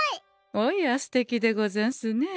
おやすてきでござんすね。